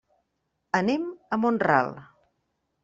Anem a Mont-ral.